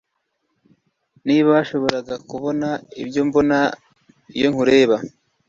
niba washoboraga kubona ibyo mbona iyo nkureba